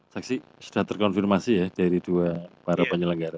saksi sudah terkonfirmasi ya dari dua para penyelenggara